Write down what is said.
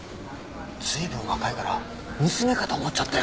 随分若いから娘かと思っちゃったよ。